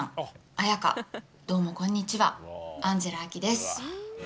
絢香どうもこんにちはアンジェラ・アキです。